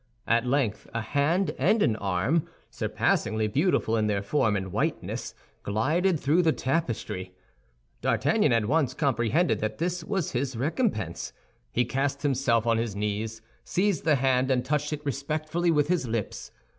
At length a hand and an arm, surpassingly beautiful in their form and whiteness, glided through the tapestry. D'Artagnan at once comprehended that this was his recompense. He cast himself on his knees, seized the hand, and touched it respectfully with his lips.